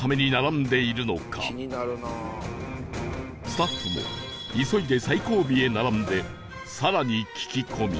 スタッフも急いで最後尾へ並んで更に聞き込み